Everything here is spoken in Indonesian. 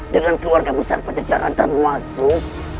dengan keluarga besar pajajaran termasuk